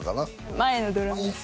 前のドラマです